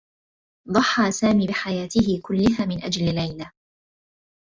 ضحّى سامي بحياته كلّها من أجل ليلى.